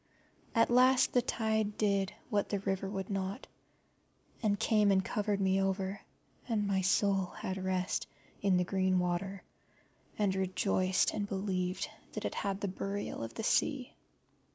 At last the tide did what the river would not, and came and covered me over, and my soul had rest in the green water, and rejoiced and believed that it had the Burial of the Sea.